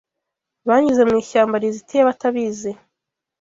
Banyuze mu ishyamba rizitiye batabizi